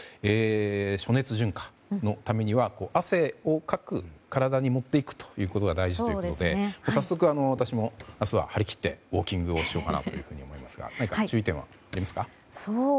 暑熱順化のためには汗をかく体に持っていくことが大事ということで早速、私も明日は張り切ってウォーキングをしようかなと思いますが何か注意点はありますか？